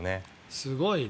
すごいね。